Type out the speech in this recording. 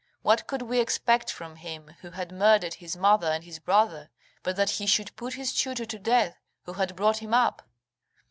What could we expect from him who had murdered his mother and his brother, but that he should put his tutor to death who had brought him up?"